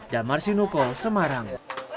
damar sinuko semarang